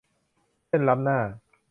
เส้นล้ำหน้า